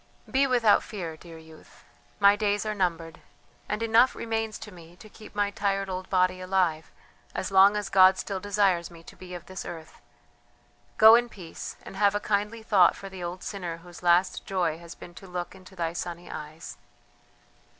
"Be without fear, dear youth; my days are numbered, and enough remains to me to keep my tired old body alive, as long as God still desires me to be of this earth. Go in peace, and have a kindly thought for the old sinner whose last joy has been to look into thy sunny eyes!"